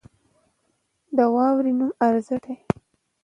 د واورې نوم اورښت دی.